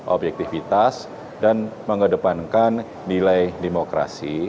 objektivitas dan mengedepankan nilai demokrasi